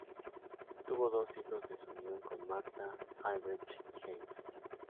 Tuvo dos hijos de su unión con Martha, Albrecht y Heinz.